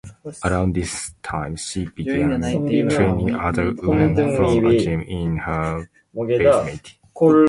Around this time she began training other women from a gym in her basement.